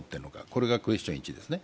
これがクエスチョン１ですね。